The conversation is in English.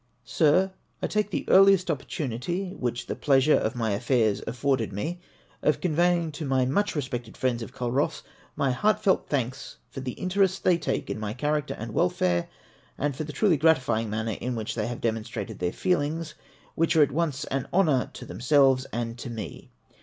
Sir, — I take the earliest opportunity which the pressure of my affairs afforded me of conveying to my much respected friends of Cuh oss my heartfelt tlianks for the interest they take in my character and welfare, and for the truly gratifying manner in which they have demonstrated their feelings, which are at once an honour to themselves and to me.